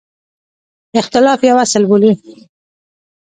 اختلاف یو اصل بولي.